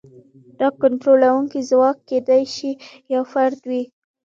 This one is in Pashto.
دا کنټرولونکی ځواک کېدای شي یو فرد وي.